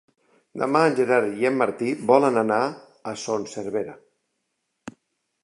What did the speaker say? Demà en Gerard i en Martí volen anar a Son Servera.